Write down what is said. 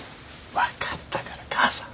分かったから母さん。